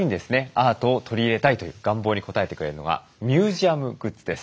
アートを取り入れたいという願望に応えてくるのがミュージアムグッズです。